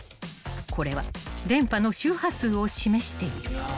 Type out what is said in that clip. ［これは電波の周波数を示している］